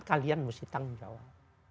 kalian harus tanggung jawab